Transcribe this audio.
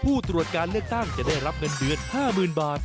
ผู้ตรวจการเลือกตั้งจะได้รับเงินเดือน๕๐๐๐บาท